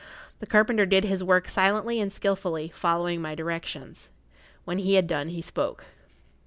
The carpenter did his work silently and skilfully, following my directions. When he had done he spoke.